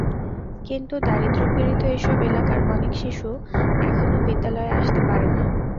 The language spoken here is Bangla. কিন্তু দারিদ্র্যপীড়িত এসব এলাকার অনেক শিশু এখনো বিদ্যালয়ে আসতে পারে না।